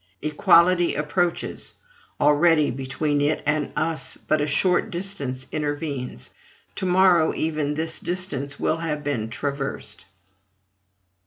Equality approaches; already between it and us but a short distance intervenes: to morrow even this distance will have been traversed.